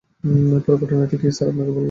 পুরো ঘটনাটা কি স্যার আপনাকে বলব?